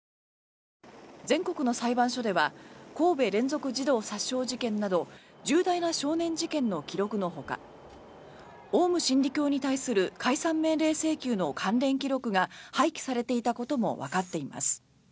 全国の裁判所では神戸連続児童殺傷事件など重大な少年事件の記録のほかオウム真理教に対する解散命令請求の関連記録が廃棄されていたこともわかっています。